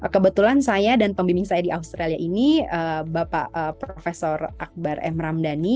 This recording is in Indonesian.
kebetulan saya dan pembimbing saya di australia ini bapak prof akbar m ramdhani